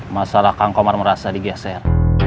masalah kang komar merasa digeser